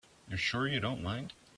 You're sure you don't mind?